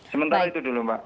sementara itu dulu mbak